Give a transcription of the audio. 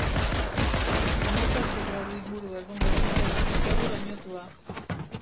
Hemezortzi gradu inguru egongo ziren, zeru lainotua.